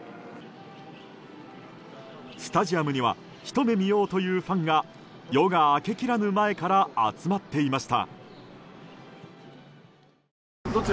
スタジアムにはひと目見ようというファンが夜が明けきらぬ前から集まっていました。